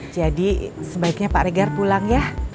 jadi sebaiknya pak regar pulang ya